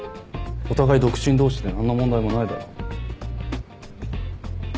お互い独身同士で何の問題もないだろ。